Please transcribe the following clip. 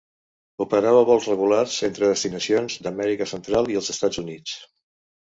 Operava vols regulars entre destinacions d'Amèrica Central i als Estats Units.